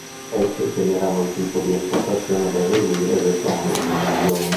Essi segneranno il tipo di asportazione da eseguire e le zone di incisione.